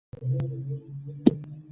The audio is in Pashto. سلیمان غر د چاپېریال د تغیر نښه ده.